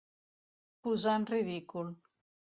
Posar en ridícul.